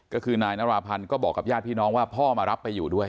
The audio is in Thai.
ก็คือนายนราพันธ์ก็บอกกับญาติพี่น้องว่าพ่อมารับไปอยู่ด้วย